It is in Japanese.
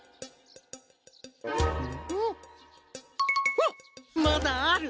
あっまだある。